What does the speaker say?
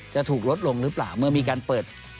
จะถูกลดลงหรือเปล่าเมื่อมีการเปิด